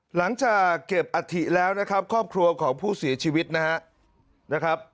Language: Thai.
หลังจากเก็บอัฐิแล้วนะครับครอบครัวของผู้เสียชีวิตนะครับ